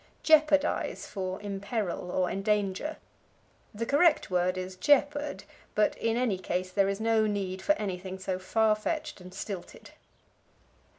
Jeopardize for Imperil, or Endanger. The correct word is jeopard, but in any case there is no need for anything so farfetched and stilted.